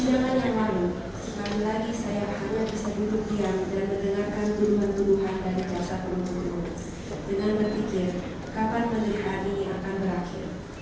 dengan berpikir kapan menikmati yang akan berakhir